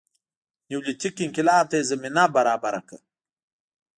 نیولیتیک انقلاب ته یې زمینه برابره کړه